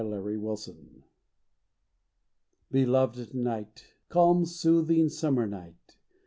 49 Night, Beloved Night ! Calm, soothing summer Night